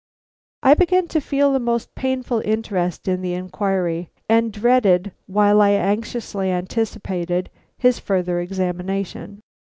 I began to feel a most painful interest in the inquiry, and dreaded, while I anxiously anticipated, his further examination.